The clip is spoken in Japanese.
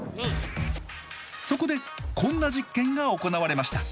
そこでこんな実験が行われました。